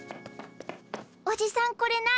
おじさんこれ何？